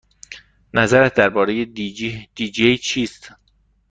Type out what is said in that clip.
نظرت درباره دی جی چیست؟